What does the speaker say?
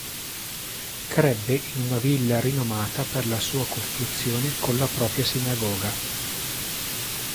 Crebbe in una villa rinomata per la sua costruzione con la propria sinagoga.